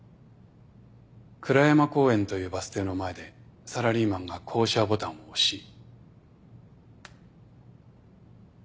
蔵山公園というバス停の前でサラリーマンが降車ボタンを押し。